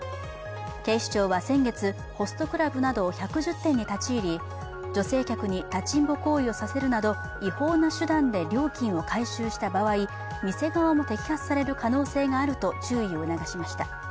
警視庁は先月、ホストクラブなど１１０店に立ち入り、女性客に立ちんぼ行為をさせるなど違法な手段で料金を回収した場合店側も摘発される可能性があると注意を促しました。